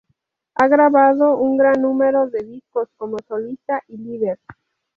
Ha grabado un gran número de discos como solista y líder.